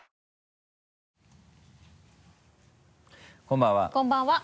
こんばんは。